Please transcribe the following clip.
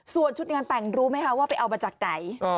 ส่วนชุดงานแต่งรู้ไหมคะว่าไปเอามาจากไหน